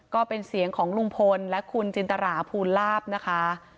ก็เป็นเสียงของลุงพลและคุณจินตราภูลาภนะคะ